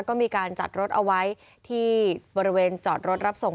ก็มีการจัดรถเอาไว้ที่บริเวณจอดรถรับส่ง